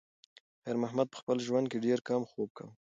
خیر محمد په خپل ژوند کې ډېر کم خوب کاوه.